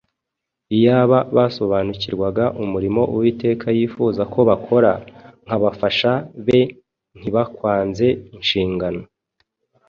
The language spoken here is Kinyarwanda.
Iyaba basobanukirwaga umurimo Uwiteka yifuza ko bakora nk’abafasha be ntibakwanze inshingano.